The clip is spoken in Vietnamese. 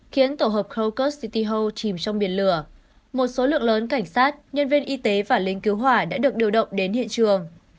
khiến tổ hợp krokus city hall chìm trong biển lửa một số lượng lớn cảnh sát nhân viên y tế và lính cứu hỏa đã được điều động đến hiện trường